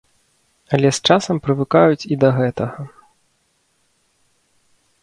Але з часам прывыкаюць і да гэтага.